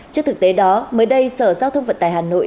trước thực tế đó mới đây sở giao thông vận tải hà nội